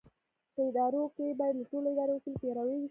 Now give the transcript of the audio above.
په ادارو کې باید له ټولو اداري اصولو پیروي وشي.